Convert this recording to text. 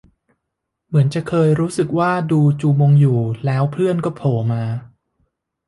เหมือนจะเคยรู้สึกว่าดูจูมงอยู่ แล้วเพื่อนจะโผล่มา